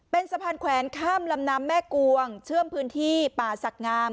เป็นสะพานแขวนข้ามลำน้ำแม่กวงเชื่อมพื้นที่ป่าศักดิ์งาม